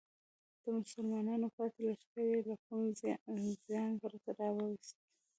د مسلمانانو پاتې لښکر یې له کوم زیان پرته راوویست.